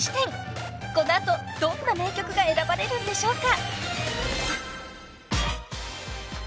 ［この後どんな名曲が選ばれるんでしょうか？］